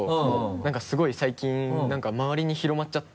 なんかすごい最近まわりに広まっちゃって。